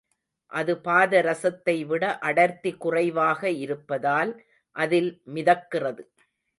அது பாதரசத்தை விட அடர்த்தி குறைவாக இருப்பதால் அதில் மிதக்கிறது.